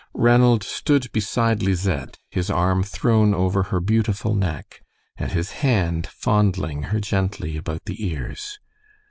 Ranald stood beside Lisette, his arm thrown over her beautiful neck, and his hand fondling her gently about the ears.